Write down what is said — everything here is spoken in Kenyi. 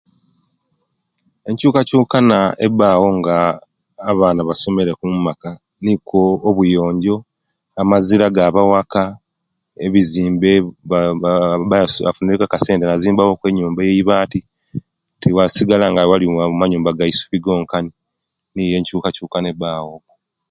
Ennkyukakyukana ebawo nga abana basomere ku mumaka nikwo obuyonjo, amazira agaba owaka ebizimbe ba aba yafunireku akasente nazimba eyibati tewasigala nga amanyumba ge'subi gonkani niyo enkyukakyukana ebawo